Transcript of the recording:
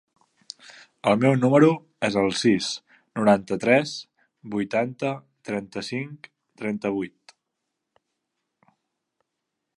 El meu número es el sis, noranta-tres, vuitanta, trenta-cinc, trenta-vuit.